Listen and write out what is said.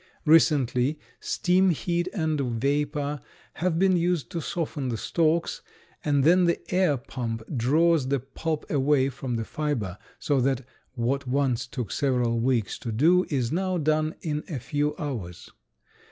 Recently steam heat and vapor have been used to soften the stalks, and then the air pump draws the pulp away from the fiber, so that what once took several weeks to do is now done in a few hours.